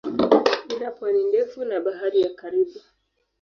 Ina pwani ndefu na Bahari ya Karibi.